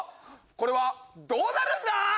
これはどうなるんだー！